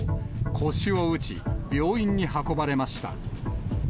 腰を打ち、病院に運ばれました。